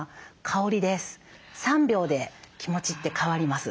３秒で気持ちって変わります。